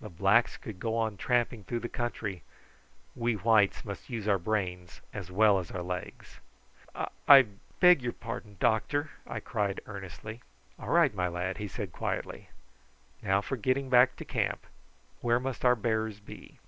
The blacks could go on tramping through the country; we whites must use our brains as well as our legs." "I I beg your pardon, doctor!" I cried earnestly. "All right, my lad," he said quietly. "Now for getting back to camp. Where must our bearers be?"